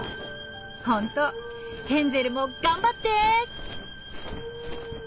ほんとヘンゼルも頑張って！